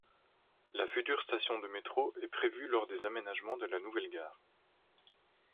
La future station de métro est prévue lors des aménagements de la nouvelle gare.